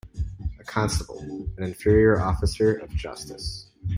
A constable an inferior officer of justice.